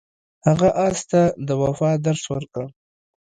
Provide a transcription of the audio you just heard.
هغه اس ته د وفا درس ورکړ.